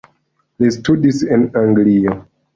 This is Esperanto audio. Li studis en Anglio.